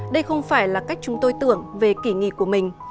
đây không phải là cách chúng tôi tưởng về kỷ nghị của mình